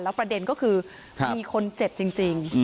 ประเด็นก็คือมีคนเจ็บจริง